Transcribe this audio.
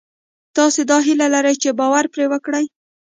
تاسې دا هیله لرئ چې باور پرې وکړئ